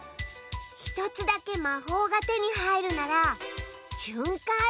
１つだけまほうがてにはいるならしゅんかん